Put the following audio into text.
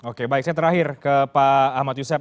oke baik saya terakhir ke pak ahmad yusef